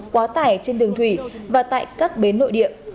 quá tải trên đường thủy và tại các bến nội địa